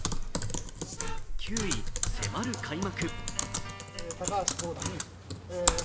９位、迫る開幕。